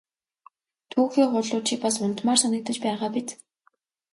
Түүхий хулуу чи бас унтмаар санагдаж байгаа биз!